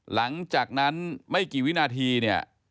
หลังจากนั้นไม่กี่วินาทีเนี่ย